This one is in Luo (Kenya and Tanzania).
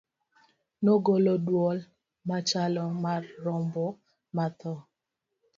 nogolo dwol machalo mar rombo ma tho